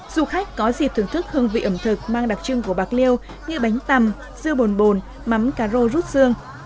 du khách có dịp thưởng thức hương vị ẩm thực mang đặc trưng của bạc liêu như bánh tằm dưa bồn bồn mắm cà rô rút xương